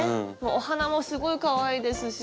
お花もすごいかわいいですし。